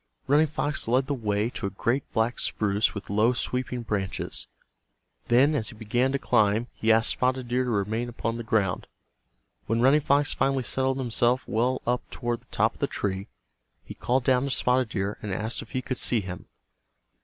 Running Fox led the way to a great black spruce with low sweeping branches. Then, as he began to climb, he asked Spotted Deer to remain upon the ground. When Running Fox finally settled himself well up toward the top of the tree, he called down to Spotted Deer and asked if he could see him.